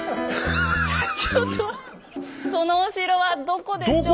そのお城はどこでしょう？